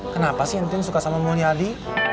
kenapa sih ntintin suka sama mulyadi